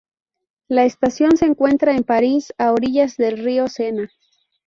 La estación se encuentra en París, a orillas del río Sena.